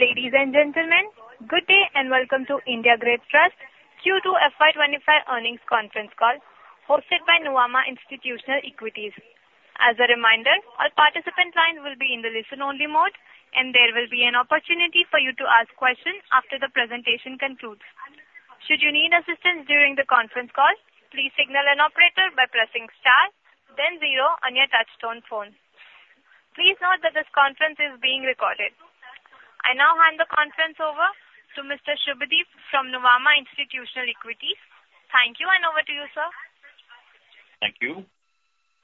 Ladies and gentlemen, good day, and welcome to India Grid Trust Q2 FY 2025 earnings conference call, hosted by Nuvama Institutional Equities. As a reminder, all participant lines will be in the listen-only mode, and there will be an opportunity for you to ask questions after the presentation concludes. Should you need assistance during the conference call, please signal an operator by pressing star then zero on your touchtone phone. Please note that this conference is being recorded. I now hand the conference over to Mr. Shubhadeep from Nuvama Institutional Equities. Thank you, and over to you, sir. Thank you.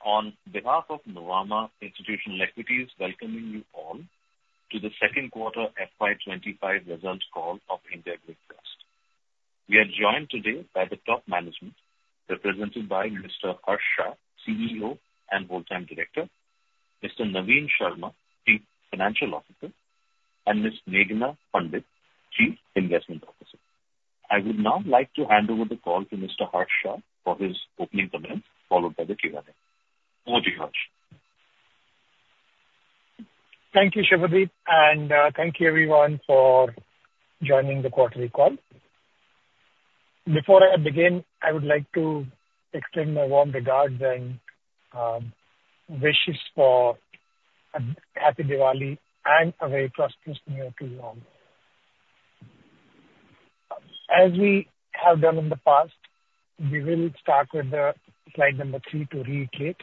On behalf of Nuvama Institutional Equities, welcoming you all to the second quarter FY twenty-five results call of India Grid Trust. We are joined today by the top management, represented by Mr. Harsh Shah, CEO and Whole Time Director, Mr. Navin Sharma, Chief Financial Officer, and Ms. Meghana Pandit, Chief Investment Officer. I would now like to hand over the call to Mr. Harsh Shah for his opening comments, followed by the Q&A. Over to you, Harsh. Thank you, Shubhadeep, and thank you everyone for joining the quarterly call. Before I begin, I would like to extend my warm regards and wishes for a happy Diwali and a very prosperous New Year to you all. As we have done in the past, we will start with slide 3 to reiterate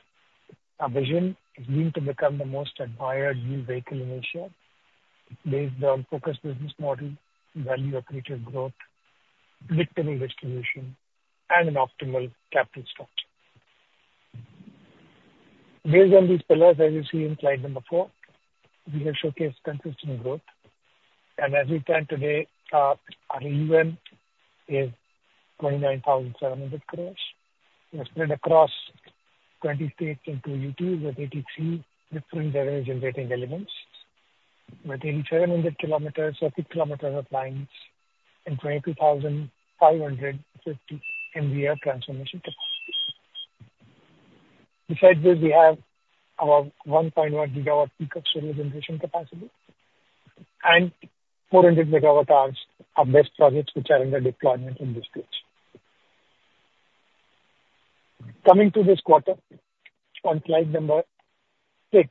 our vision is going to become the most admired vehicle in Asia, based on focused business model, value accretive growth, predictable distribution, and an optimal capital structure. Based on these pillars, as you see in slide 4, we have showcased consistent growth. As we stand today, our AUM is 29,700 crores. We are spread across 20 states and 2 UTs, with 83 different revenue-generating elements, with 800 kilometers of lines and 22,550 MVA transformation capacities. Besides this, we have our 1.1 gigawatt peak of solar generation capacity and 400 megawatt hours of BESS projects, which are under deployment in this stage. Coming to this quarter, on slide number 6,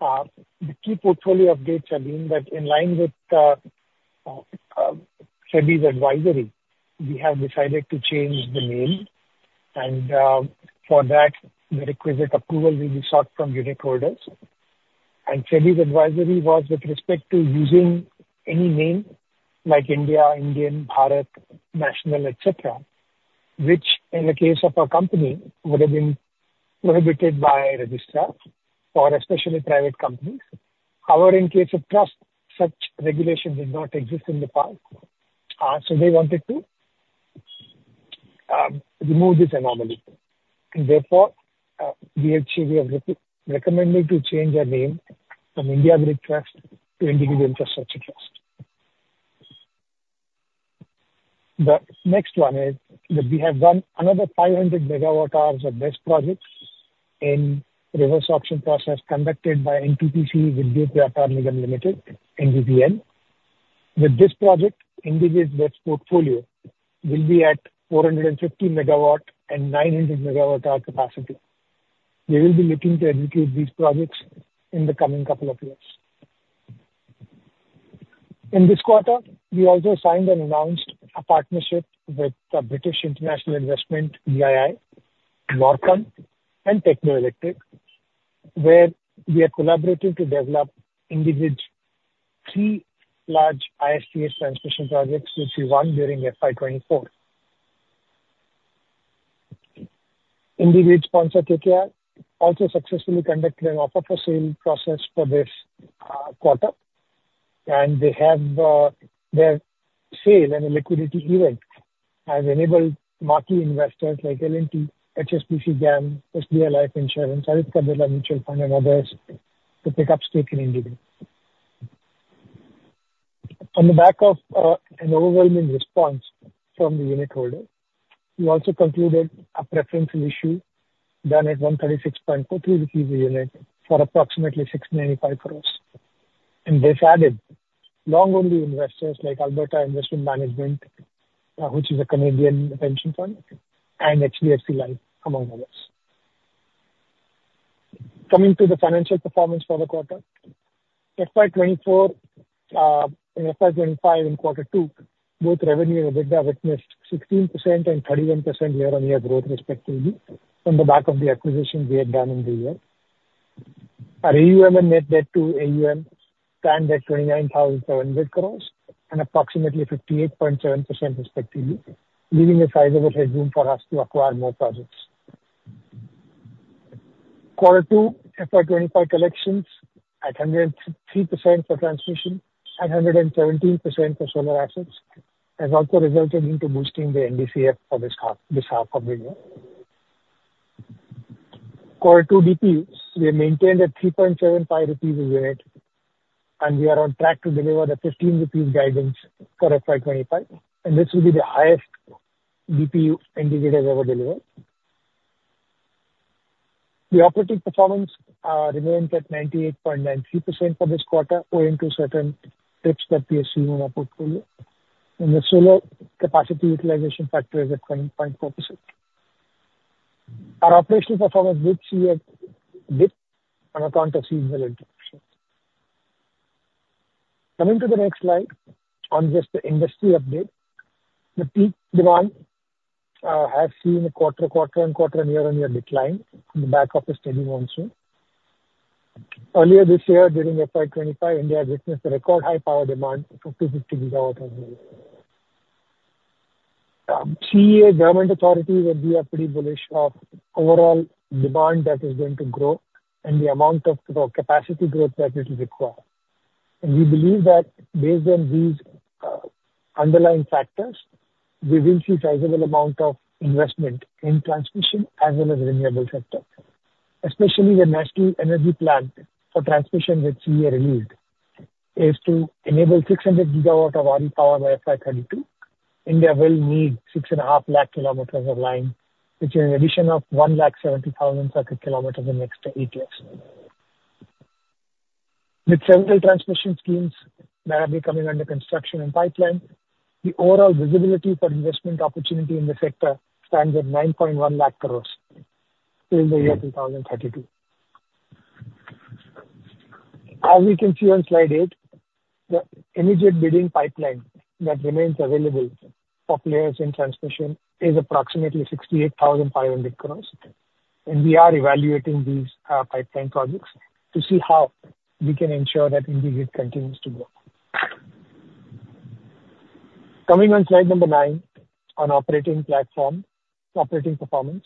the key portfolio updates are being that in line with SEBI's advisory, we have decided to change the name, and for that, the requisite approval will be sought from unit holders. And SEBI's advisory was with respect to using any name like India, Indian, Bharat, National, et cetera, which, in the case of a company, would have been prohibited by registrar for especially private companies. However, in case of trust, such regulations did not exist in the past. So they wanted to remove this anomaly. And therefore, we are recommending to change our name from India Grid Trust to IndiGrid Infrastructure Trust. The next one is that we have done another 500 megawatt hours of BESS projects in reverse auction process conducted by NTPC Vidyut Vyapar Nigam Limited, NVVN. With this project, IndiGrid's BESS portfolio will be at 450 megawatt and 900 megawatt hour capacity. We will be looking to execute these projects in the coming couple of years. In this quarter, we also signed and announced a partnership with the British International Investment, BII, Norfund, and Techno Electric, where we are collaborating to develop IndiGrid's three large ISTS transmission projects, which we won during FY 2024. IndiGrid's sponsor, KKR, also successfully conducted an offer for sale process for this quarter, and they have their sale and a liquidity event has enabled marquee investors like L&T, HSBC GAM, SBI Life Insurance, Aditya Birla Mutual Fund, and others, to pick up stake in IndiGrid. On the back of an overwhelming response from the unitholder, we also concluded a preferential issue done at 136.43 rupees a unit for approximately 695 crores, and this added long-only investors like Alberta Investment Management, which is a Canadian pension fund, and HDFC Life, among others. Coming to the financial performance for the quarter, FY 2024, and FY 2025 in quarter two, both revenue and EBITDA witnessed 16% and 31% year-on-year growth, respectively, on the back of the acquisitions we had done in the year. Our AUM and net debt to AUM stand at 29,700 crores and approximately 58.7%, respectively, leaving a sizable headroom for us to acquire more projects. Quarter 2 FY 2025 collections at 103% for transmission and 117% for solar assets has also resulted into boosting the NDCF for this half of the year. Quarter 2 DPUs, we maintained at 3.75 rupees a unit, and we are on track to deliver the 15 rupees guidance for FY 2025, and this will be the highest DPU IndiGrid has ever delivered. The operating performance remained at 98.93% for this quarter, owing to certain trips per PSU in our portfolio, and the solar capacity utilization factor is at 20.4%. Our operational performance did see a dip on account of seasonal interruptions. Coming to the next slide, on just the industry update, the peak demand has seen a quarter-on-quarter and year-on-year decline on the back of a steady monsoon. Earlier this year, during FY 2025, India witnessed a record high power demand of 155 gigawatt-hours. CEA government authorities would be pretty bullish of overall demand that is going to grow and the amount of capacity growth that it will require. We believe that based on these underlying factors, we will see sizable amount of investment in transmission as well as renewable sector. Especially the National Energy Plan for Transmission, which we have released, is to enable 600 gigawatts of power by FY 2032. India will need 6.5 lakh kilometers of line, which is an addition of 1.7 lakh circuit kilometers in the next eight years. With several transmission schemes that are becoming under construction and pipeline, the overall visibility for investment opportunity in the sector stands at 9.1 lakh crores till the year 2032. As we can see on slide 8, the immediate bidding pipeline that remains available for players in transmission is approximately 68,500 crores, and we are evaluating these pipeline projects to see how we can ensure that IndiGrid continues to grow. Coming on slide number 9, on operating platform, operating performance.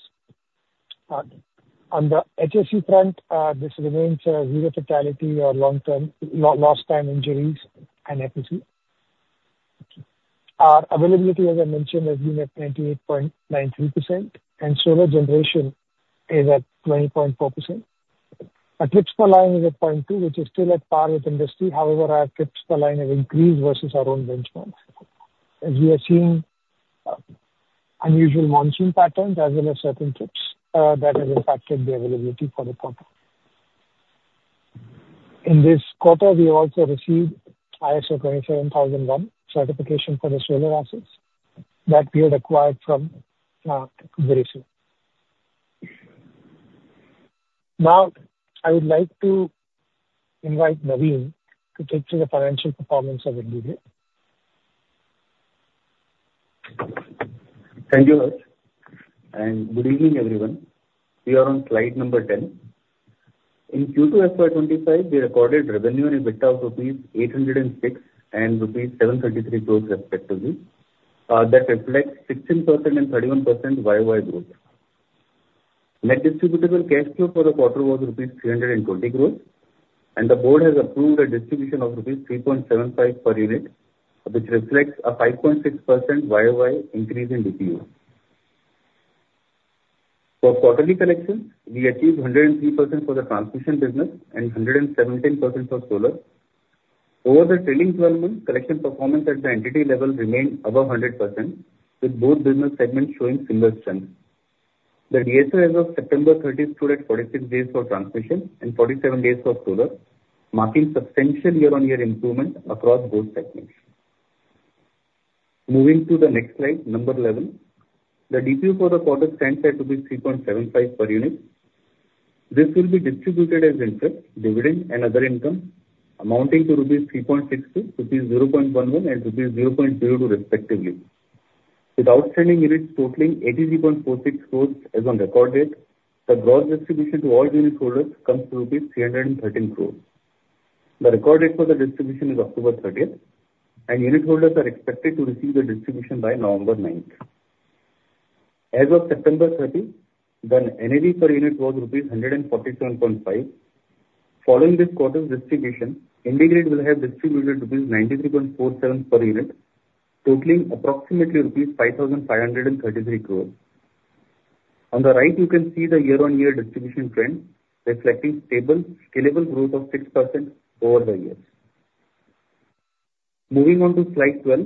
On the HSE front, this remains zero fatality or long-term lost time injuries and HSE. Our availability, as I mentioned, has been at 98.93%, and solar generation is at 20.4%. Our trips per line is at 0.2, which is still at par with industry. However, our trips per line have increased versus our own benchmarks, as we are seeing unusual monsoon patterns as well as certain trips that has impacted the availability for the quarter. In this quarter, we also received ISO 27001 certification for the solar assets that we had acquired from Virescent. Now, I would like to invite Naveen to take through the financial performance of IndiGrid. Thank you, Harsh, and good evening, everyone. We are on slide number 10. In Q2 FY 2025, we recorded revenue and EBITDA of rupees 806 and rupees 733 crores, respectively. That reflects 16% and 31% YY growth. Net distributable cash flow for the quarter was rupees 320 crores, and the board has approved a distribution of rupees 3.75 per unit, which reflects a 5.6% year over year increase in DPU. For quarterly collections, we achieved 103% for the transmission business and 117% for solar. Over the trailing twelve months, collection performance at the entity level remained above 100%, with both business segments showing similar strength. The DSO as of September 30 stood at 46 days for transmission and 47 days for solar, marking substantial year-on-year improvement across both segments. Moving to the next slide, number 11. The DPU for the quarter stands at 3.75 per unit. This will be distributed as interest, dividend, and other income amounting to 3.62 rupees, 0.11, and rupees 0.02, respectively. With outstanding units totaling 83.46 crores as on record date, the gross distribution to all unitholders comes to rupees 313 crores. The record date for the distribution is October 30, and unitholders are expected to receive the distribution by November 9. As of September 30, the NAV per unit was rupees 147.5. Following this quarter's distribution, IndiGrid will have distributed rupees 93.47 per unit, totaling approximately rupees 5,533 crores. On the right, you can see the year-on-year distribution trend, reflecting stable, scalable growth of 6% over the years. Moving on to slide 12.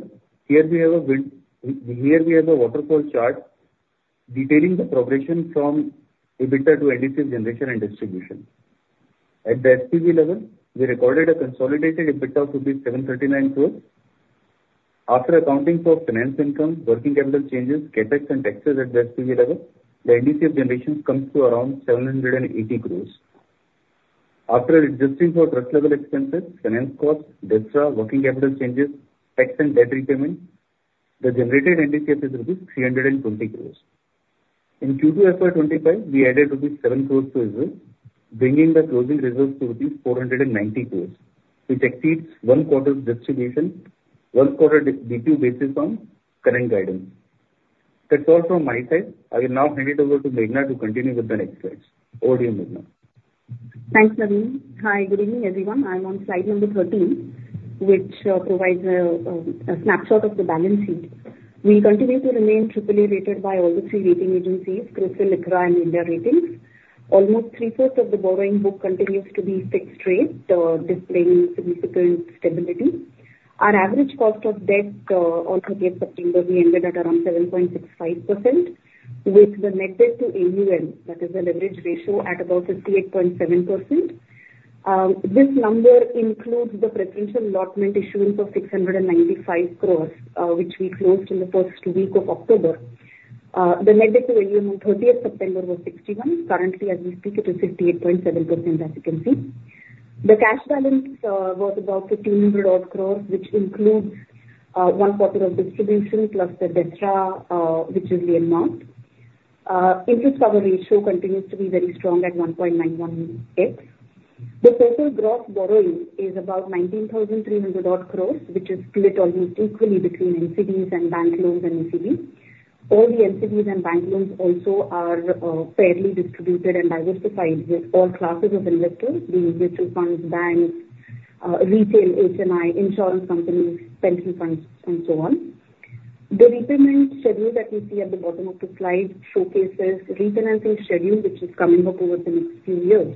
Here we have a waterfall chart detailing the progression from EBITDA to NDCF generation and distribution. At the SPV level, we recorded a consolidated EBITDA of 739 crores. After accounting for finance income, working capital changes, CapEx and taxes at the SPV level, the NDCF generation comes to around 780 crores. After adjusting for trust level expenses, finance costs, debt extra, working capital changes, tax and debt repayment, the generated NDCF is rupees 320 crores. In Q2 FY 2025, we added rupees 7 crore to reserves, bringing the closing reserves to rupees 490 crore, which exceeds one quarter's distribution, one quarter DPU basis on current guidance. That's all from my side. I will now hand it over to Meghana to continue with the next slides. Over to you, Meghana. Thanks, Naveen. Hi, good evening, everyone. I'm on slide number thirteen, which provides a snapshot of the balance sheet. We continue to remain triple A rated by all the three rating agencies, CRISIL, ICRA, and India Ratings. Almost three-fourths of the borrowing book continues to be fixed rate, displaying significant stability. Our average cost of debt on thirtieth September, we ended at around 7.65%, with the net debt to AUM, that is the leverage ratio, at about 58.7%. This number includes the preferential allotment issuance of 695 crores, which we closed in the first week of October. The net debt to AUM on thirtieth September was 61%. Currently, as we speak, it is 58.7%, as you can see. The cash balance was about 1,500 crores, which includes one quarter of distribution plus the debt tranche, which is the amount. Interest cover ratio continues to be very strong at 1.91x. The total gross borrowing is about 19,300 crores, which is split almost equally between NCDs and bank loans and NCDs. All the NCDs and bank loans also are fairly distributed and diversified with all classes of investors, be it mutual funds, banks, retail, HNI, insurance companies, pension funds, and so on. The repayment schedule that you see at the bottom of the slide showcases refinancing schedule, which is coming up over the next few years.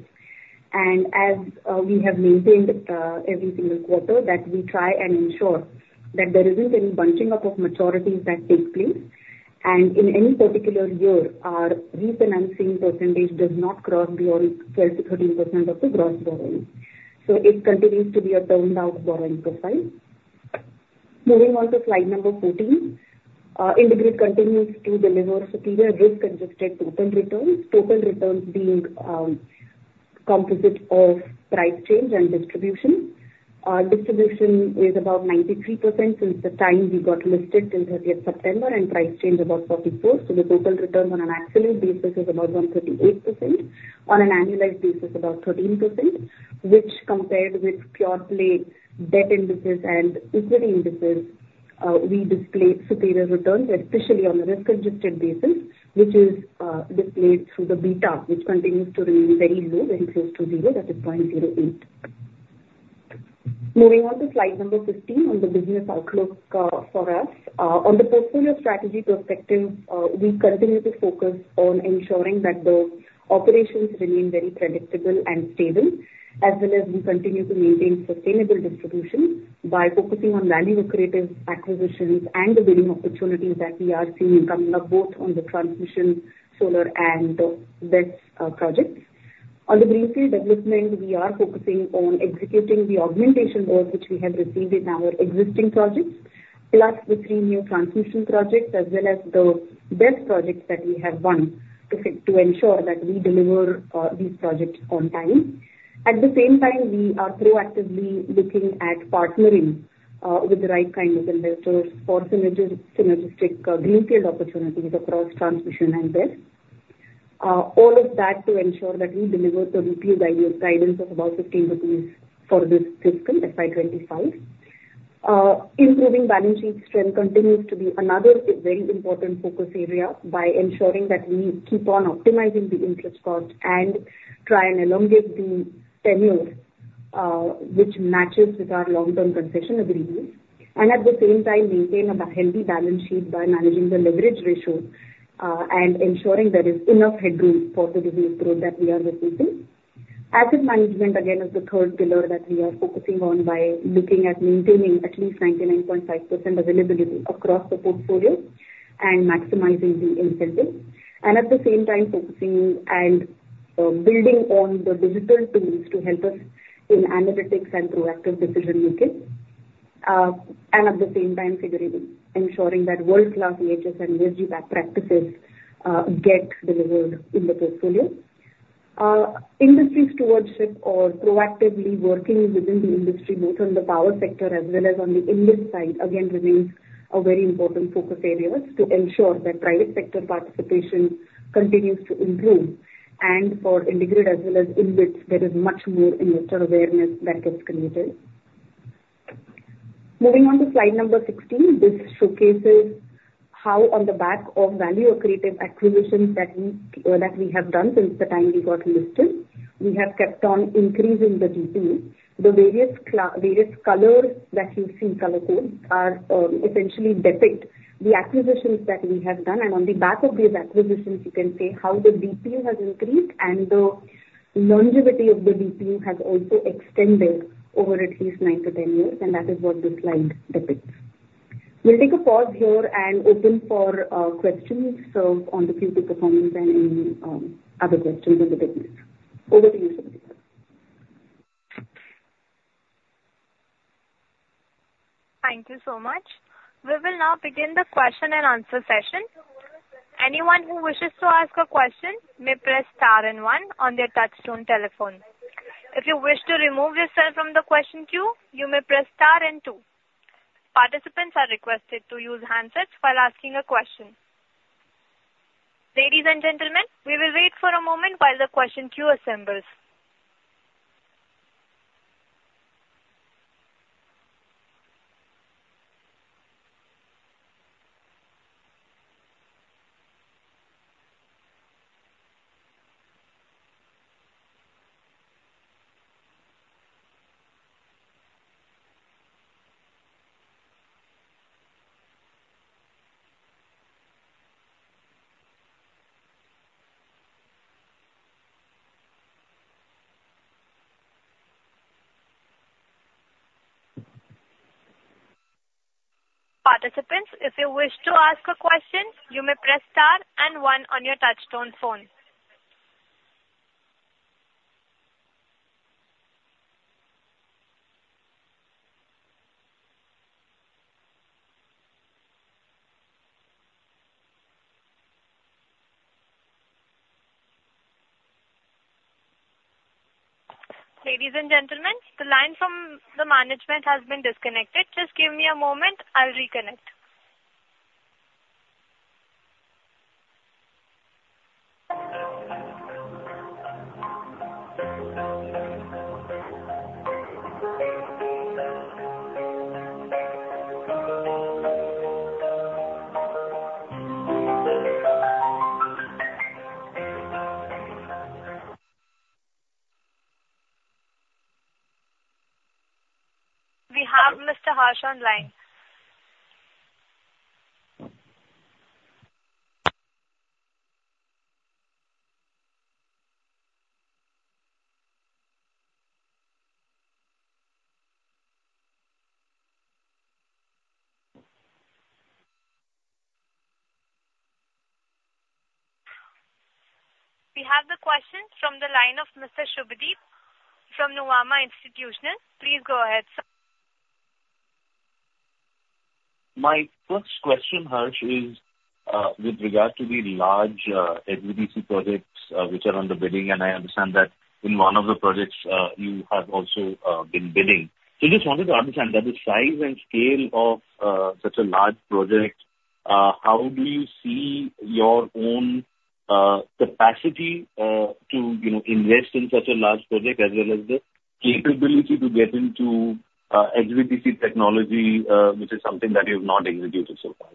And as we have maintained every single quarter, that we try and ensure that there isn't any bunching up of maturities that takes place. And in any particular year, our refinancing percentage does not cross beyond 12% to 13% of the gross borrowing. So it continues to be a balanced out borrowing profile. Moving on to slide number 14. IndiGrid continues to deliver superior risk-adjusted total returns. Total returns being composite of price change and distribution. Distribution is about 93% since the time we got listed till thirtieth September, and price change about 44%. So the total return on an absolute basis is about 138%. On an annualized basis, about 13%, which compared with pure play debt indices and equity indices, we display superior returns, especially on a risk-adjusted basis, which is displayed through the beta, which continues to remain very low, very close to zero, that is 0.08. Moving on to slide number 15, on the business outlook, for us. On the portfolio strategy perspective, we continue to focus on ensuring that the operations remain very predictable and stable, as well as we continue to maintain sustainable distribution by focusing on value-accretive acquisitions and the winning opportunities that we are seeing coming up, both on the transmission, solar, and the debt projects. On the greenfield development, we are focusing on executing the augmentation work which we have received in our existing projects, plus the three new transmission projects, as well as the best projects that we have won, to ensure that we deliver these projects on time. At the same time, we are proactively looking at partnering with the right kind of investors for synergistic greenfield opportunities across transmission and debt. All of that to ensure that we deliver the rupee value guidance of about 15 rupees for this fiscal, FY 2025. Improving balance sheet strength continues to be another very important focus area by ensuring that we keep on optimizing the interest cost and try and elongate the tenure, which matches with our long-term concession agreements. And at the same time, maintain a healthy balance sheet by managing the leverage ratio, and ensuring there is enough headroom for the business growth that we are receiving. Asset management, again, is the third pillar that we are focusing on by looking at maintaining at least 99.5% availability across the portfolio and maximizing the incentives, and at the same time, focusing and building on the digital tools to help us in analytics and proactive decision making. And at the same time, ensuring that world-class EHS and energy practices get delivered in the portfolio. Industry stewardship or proactively working within the industry, both on the power sector as well as on the invest side, again, remains a very important focus area to ensure that private sector participation continues to improve. For IndiGrid as well as InvITs, there is much more investor awareness that is created. Moving on to slide number 16. This showcases how on the back of value-accretive acquisitions that we have done since the time we got listed, we have kept on increasing the DPU. The various colors that you see, color codes, are essentially depict the acquisitions that we have done, and on the back of these acquisitions, you can say how the DPU has increased and the longevity of the DPU has also extended over at least nine to 10 years, and that is what this slide depicts. We'll take a pause here and open for questions on the Q2 performance and any other questions in the deck. Over to you, Shubadeep. Thank you so much. We will now begin the question-and-answer session. Anyone who wishes to ask a question may press star and one on their touchtone telephone. If you wish to remove yourself from the question queue, you may press star and two. Participants are requested to use handsets while asking a question. Ladies and gentlemen, we will wait for a moment while the question queue assembles... Participants, if you wish to ask a question, you may press star and one on your touchtone phone. Ladies and gentlemen, the line from the management has been disconnected. Just give me a moment, I'll reconnect. We have Mr. Harsh Shah on the line. We have the question from the line of Mr. Shubadeep from Nuvama Institutional Equities. Please go ahead, sir. My first question, Harsh, is with regards to the large HVDC projects which are on the bidding, and I understand that in one of the projects you have also been bidding. So just wanted to understand that the size and scale of such a large project, how do you see your own capacity to, you know, invest in such a large project, as well as the capability to get into HVDC technology, which is something that you've not executed so far?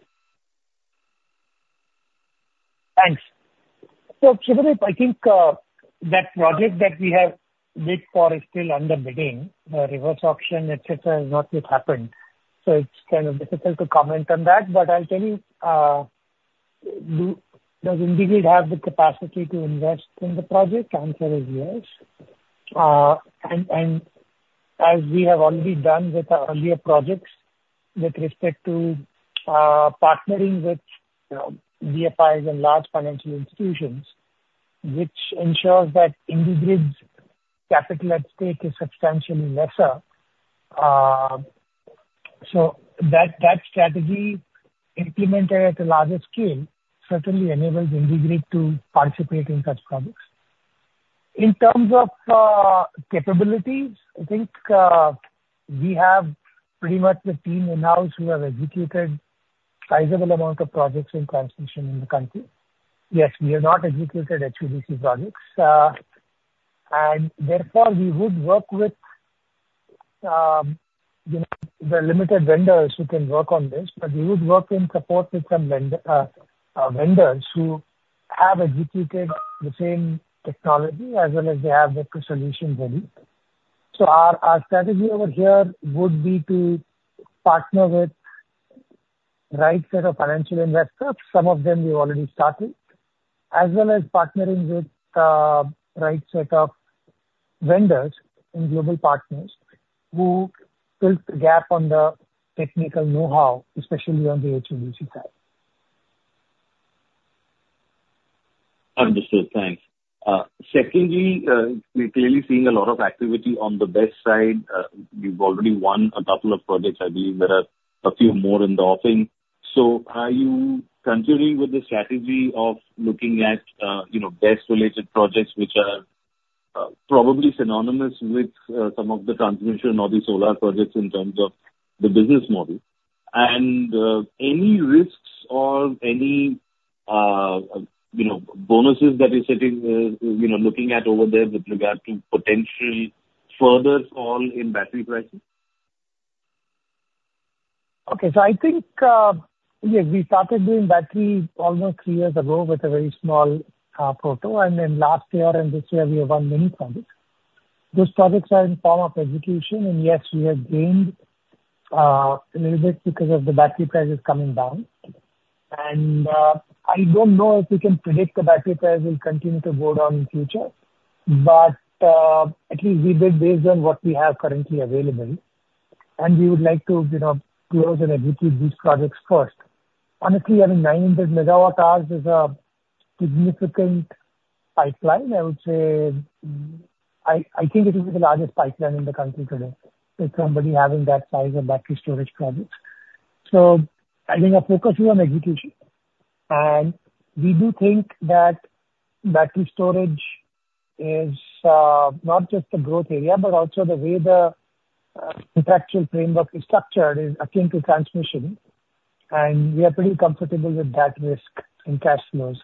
Thanks. So Shubadeep, I think, that project that we have bid for is still under bidding. The reverse auction, et cetera, has not yet happened, so it's kind of difficult to comment on that. But I'll tell you, does IndiGrid have the capacity to invest in the project? The answer is yes. And, and as we have already done with our earlier projects, with respect to, partnering with, you know, DFIs and large financial institutions, which ensures that IndiGrid's capital at stake is substantially lesser. So that, that strategy, implemented at a larger scale, certainly enables IndiGrid to participate in such projects. In terms of, capabilities, I think, we have pretty much the team in-house who have executed a sizable amount of projects in transmission in the country. Yes, we have not executed HVDC projects. Therefore, we would work with, you know, the limited vendors who can work on this, but we would work in support with some vendors who have executed the same technology as well as they have the solution ready. Our strategy over here would be to partner with the right set of financial investors, some of them we've already started, as well as partnering with right set of vendors and global partners who built the gap on the technical know-how, especially on the HVDC side. Understood. Thanks. Secondly, we're clearly seeing a lot of activity on the BESS side. We've already won a couple of projects. I believe there are a few more in the offing. So are you continuing with the strategy of looking at, you know, BESS-related projects, which are probably synonymous with some of the transmission or the solar projects in terms of the business model? And any risks or any, you know, bonuses that you're sitting, you know, looking at over there with regard to potential further fall in battery prices? Okay. So I think, yes, we started doing battery almost three years ago with a very small proto, and then last year and this year, we have won many projects. Those projects are in form of execution, and yes, we have gained a little bit because of the battery prices coming down. And I don't know if we can predict the battery price will continue to go down in future, but at least we bid based on what we have currently available, and we would like to, you know, close and execute these projects first. Honestly, having 900 megawatt hours is a significant pipeline. I would say, I think it is the largest pipeline in the country today, with somebody having that size of battery storage projects. So I think our focus is on execution. And we do think that battery storage is not just a growth area, but also the way the contractual framework is structured is akin to transmission, and we are pretty comfortable with that risk in cash flows.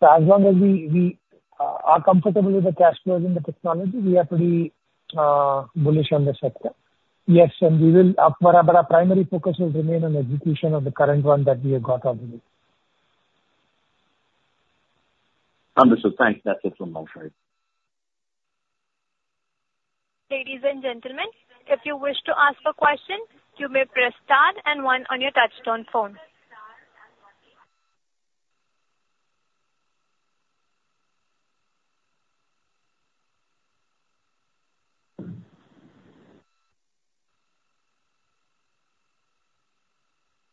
So as long as we are comfortable with the cash flows and the technology, we are pretty bullish on the sector. Yes, and we will... but our primary focus will remain on execution of the current one that we have got already. Understood. Thanks. That's it from my side. Ladies and gentlemen, if you wish to ask a question, you may press star and one on your touchtone phone.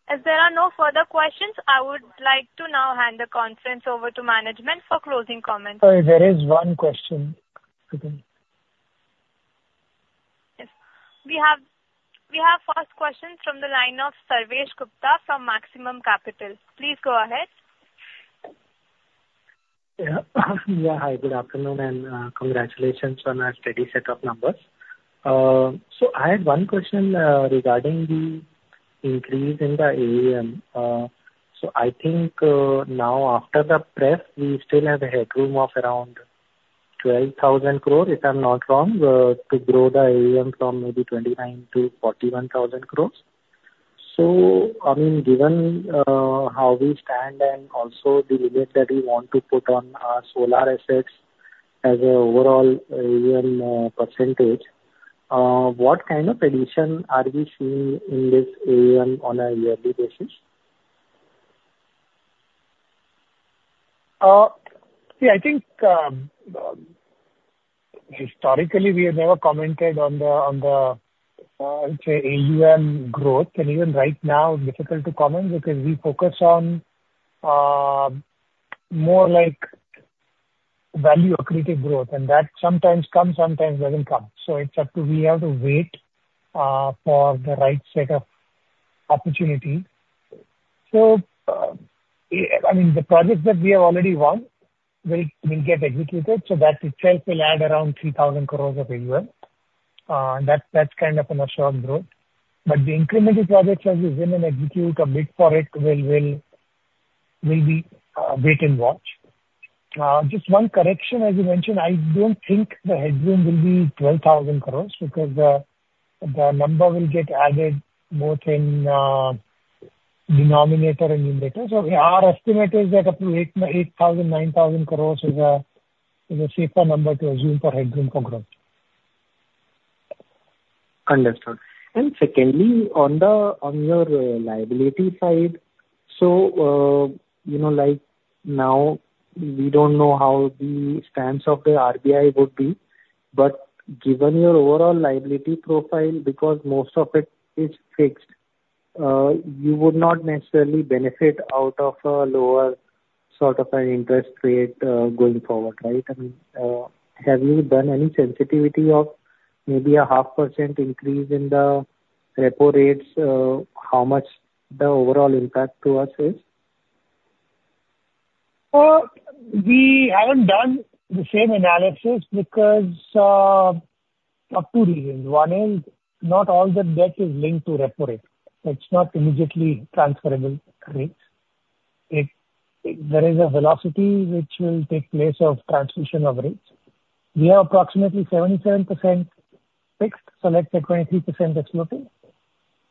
As there are no further questions, I would like to now hand the conference over to management for closing comments. There is one question. Yes. We have first question from the line of Sarvesh Gupta from Maximal Capital. Please go ahead. Yeah. Yeah, hi, good afternoon, and congratulations on a steady set of numbers. So I had one question regarding the increase in the AUM. So I think now after the prep, we still have a headroom of around 12,000 crore, if I'm not wrong, to grow the AUM from maybe 29 to 41 thousand crores. So, I mean, given how we stand and also the limits that we want to put on our solar assets as an overall AUM percentage, what kind of addition are we seeing in this AUM on a yearly basis? See, I think, historically, we have never commented on the AUM growth. And even right now, it's difficult to comment because we focus on more like value accretive growth, and that sometimes comes, sometimes doesn't come. So it's up to we have to wait for the right set of opportunity. So, I mean, the projects that we have already won will get executed, so that itself will add around 3,000 crores of AUM. And that's kind of an assured growth. But the incremental projects as we win and execute a bid for it will be wait and watch. Just one correction, as you mentioned, I don't think the headroom will be 12,000 crores, because the number will get added both in denominator and numerator. Our estimate is that up to 8,000 to 9,000 crores is a safer number to assume for headroom for growth. Understood. And secondly, on your liability side, so, you know, like now, we don't know how the stance of the RBI would be. But given your overall liability profile, because most of it is fixed, you would not necessarily benefit out of a lower sort of an interest rate, going forward, right? I mean, have you done any sensitivity of maybe a 0.5% increase in the repo rates? How much the overall impact to us is? We haven't done the same analysis because of two reasons. One is, not all the debt is linked to repo rate. It's not immediately transferable rates. There is a velocity which will take place of transmission of rates. We have approximately 77% fixed, so let's say 23% is floating.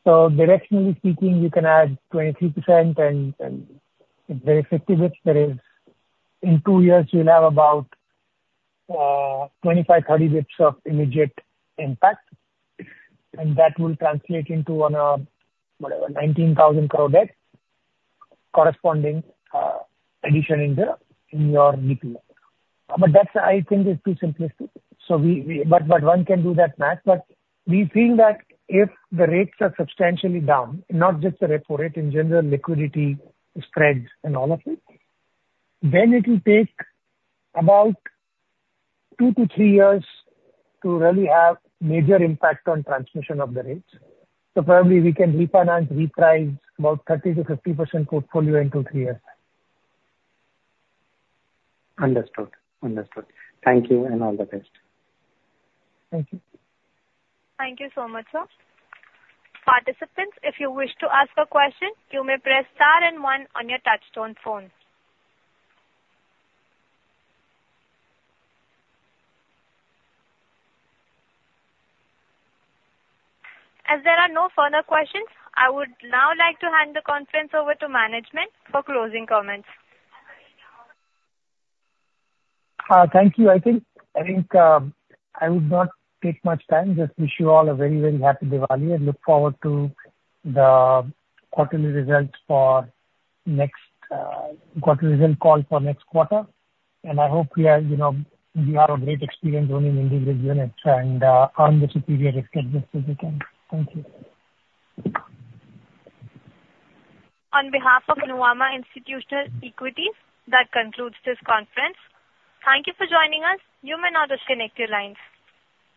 So directionally speaking, you can add 23% and the effective rates there is. In two years, you'll have about 25 to 30 basis points of immediate impact, and that will translate into on a, whatever, 19,000 crore debt, corresponding addition in the in your DPU. But that's, I think, is too simplistic. So we... But one can do that math. But we feel that if the rates are substantially down, not just the Repo Rate, in general liquidity spreads and all of it, then it will take about two to three years to really have major impact on transmission of the rates. So probably we can refinance, reprice about 30% to 50% portfolio in two, three years. Understood. Understood. Thank you, and all the best. Thank you. Thank you so much, sir. Participants, if you wish to ask a question, you may press star and one on your touchtone phone. As there are no further questions, I would now like to hand the conference over to management for closing comments. Thank you. I think I would not take much time. Just wish you all a very, very happy Diwali, and look forward to the quarterly results for next quarterly result call for next quarter. I hope we are, you know, we have a great experience running individual units, and earn the superior risk-adjusted returns. Thank you. On behalf of Nuvama Institutional Equities, that concludes this conference. Thank you for joining us. You may now disconnect your lines.